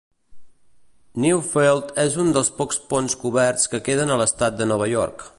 Newfield té un dels pocs ponts coberts que queden a l'estat de Nova York.